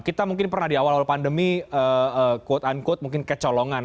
kita mungkin pernah di awal awal pandemi quote unquote mungkin kecolongan